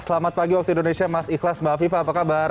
selamat pagi waktu indonesia mas ikhlas mbak afifah apa kabar